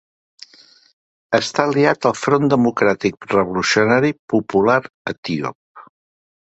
Està aliat al Front Democràtic Revolucionari Popular Etíop.